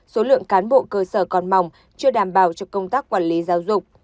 số lượng cán bộ cơ sở còn mỏng chưa đảm bảo cho công tác quản lý giáo dục